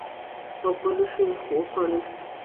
او په نشو یې وخوړل